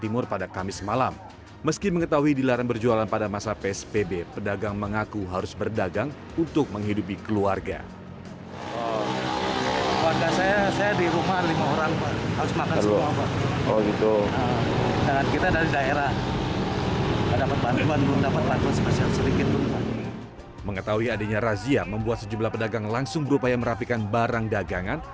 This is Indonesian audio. mengetahui adanya razia membuat sejumlah pedagang langsung berupaya merapikan barang dagangan